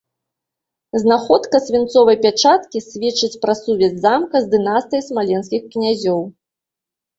Знаходка свінцовай пячаткі сведчыць пра сувязь замка з дынастыяй смаленскіх князёў.